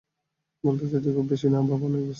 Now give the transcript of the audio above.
বলতে চাচ্ছি, খুব বেশি না, বাবা অনেক ব্যস্ত থাকতেন।